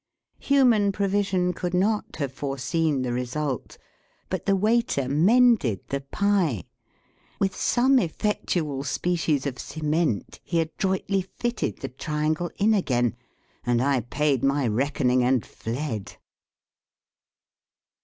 Human provision could not have foreseen the result but the waiter mended the pie. With some effectual species of cement, he adroitly fitted the triangle in again, and I paid my reckoning and fled.